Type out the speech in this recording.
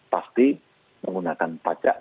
pasti menggunakan pajak